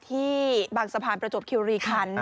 ที่บางสะพานประจวบคิวรีคัน